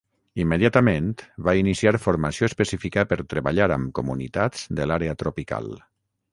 Immediatament va iniciar formació específica per treballar amb comunitats de l'àrea tropical.